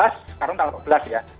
sekarang tanggal empat belas ya